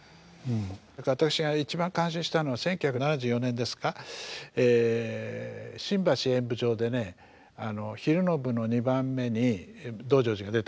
だから私が一番感心したのは１９７４年ですか新橋演舞場でね昼の部の２番目に「道成寺」が出たんです